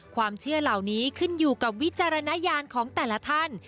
ความเชื่อเหล่านี้ขึ้นอยู่กับวิจารณญาณของแต่ละท่าน